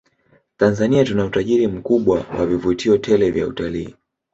Tanzania tuna utajiri mkubwa wa vivutio tele vya utalii